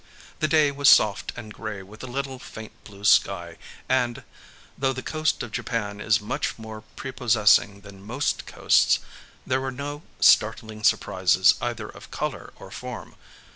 The day was soft and grey with a little faint blue sky, and, though the coast of Japan is much more prepossessing than most coasts, there were no startling surprises either of colour or form.